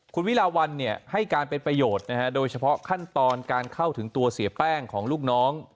คุณวิลาวันให้การเป็นประโยชน์โดยเฉพาะขั้นตอนการเข้าถึงตัวเสียแป้งของลูกน้อง